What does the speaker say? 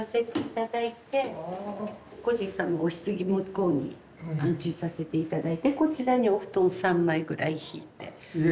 故人様おひつぎ向こうに安置させて頂いてこちらにお布団３枚ぐらい敷いて。